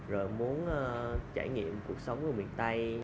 rồi muốn trải nghiệm cuộc sống ở miền tây